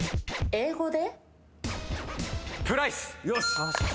英語で？